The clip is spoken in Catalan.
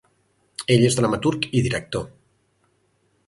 Ell és dramaturg i director.